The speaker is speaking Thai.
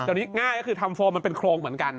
แต่ตลอดนิดหน้ายก็คือจะทำโฟมเขาน่ะเป็นโค้งเหมือนกัน